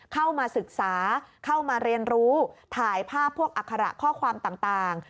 เข้ามาศึกษาเข้ามาเรียนรู้ถ่ายภาพพวกอัคระข้อความต่าง